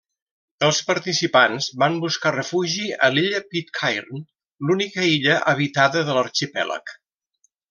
Els participants van buscar refugi a l'illa Pitcairn, l'única illa habitada de l'arxipèlag.